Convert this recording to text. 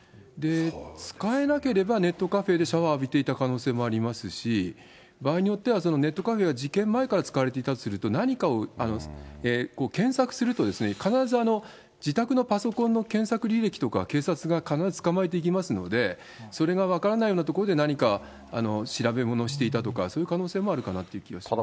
使えなければ、ネットカフェでシャワー浴びていた可能性もありますし、場合によっては、ネットカフェは事件前から使われていたとすると、何かを、検索すると必ず自宅のパソコンの検索履歴とかを警察が必ず捕まえていきますので、それが分からないような所で、何か調べ物をしていたとか、そういう可能性もあるかなという気がしますね。